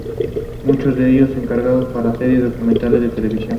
Reside y trabaja en Baar.